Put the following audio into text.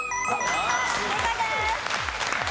正解です。